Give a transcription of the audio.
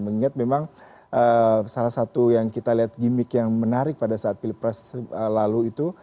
mengingat memang salah satu yang kita lihat gimmick yang menarik pada saat pilpres lalu itu